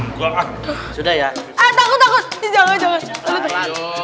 ah takut takut jangan jangan